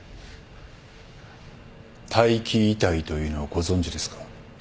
待機遺体というのをご存じですか？